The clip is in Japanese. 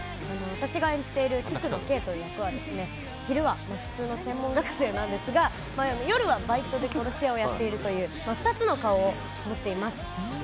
私が演じている菊野ケイという役は昼は普通の専門学生なんですが夜はバイトで殺し屋をやっているという２つの顔を持っています。